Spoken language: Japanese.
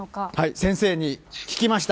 先生に聞きました。